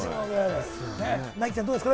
凪ちゃん、どうですか？